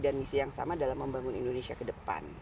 dan misi yang sama dalam membangun indonesia ke depan